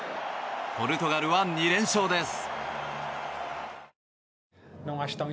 ポルトガルは２連勝です。